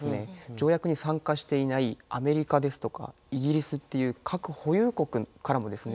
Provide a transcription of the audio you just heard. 条約に参加していないアメリカですとかイギリスっていう核保有国からもですね